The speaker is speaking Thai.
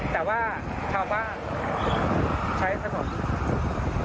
แต่ว่าชาวบ้านใช้ถนน